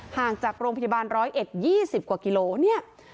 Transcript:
ห่างจากโรงพยาบาล๑๐๑๒๐กว่ากิโลเนี่ย